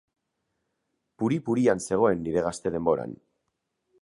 Puri-purian zegoen nire gazte denboran.